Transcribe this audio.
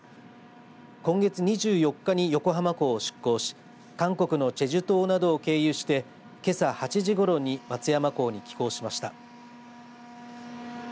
今月２４日に横浜港を出港し韓国のチェジュ島などを経由してけさ８時ごろに松山港に寄港しました。